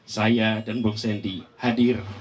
saya dan bung sendi hadir